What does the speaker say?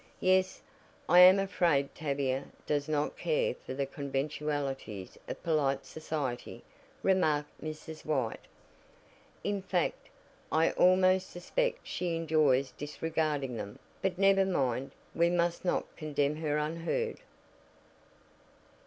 "Yes, I am afraid Tavia does not care for the conventionalities of polite society," remarked Mrs. White. "In fact, I almost suspect she enjoys disregarding them. But never mind! we must not condemn her unheard."